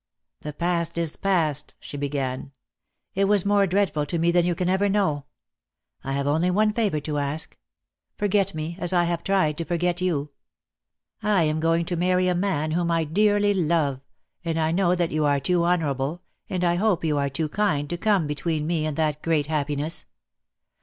"The past is past," she began. "It was more dreadful to me than you can ever know. 1 have only one favour to ask. Forget me, as I have tried to forget you. I am going to marry a man whom I dearly love, and I know that you are too honourable, and I hope you are too kind, to come between me and that great happiness.